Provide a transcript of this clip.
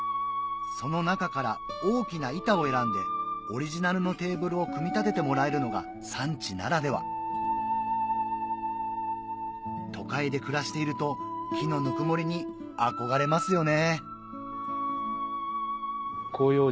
その中から大きな板を選んでオリジナルのテーブルを組み立ててもらえるのが産地ならでは都会で暮らしていると木のぬくもりに憧れますよね